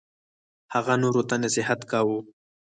هغه نورو ته نصیحت کاوه.